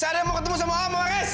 saya mau ketemu semua om omaris